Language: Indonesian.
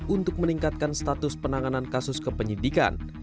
untuk meningkatkan status penanganan kasus kepenyidikan